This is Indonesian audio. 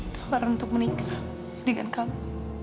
tawaran untuk menikah dengan kamu